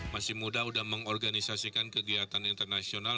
masih muda sudah mengorganisasikan kegiatan internasional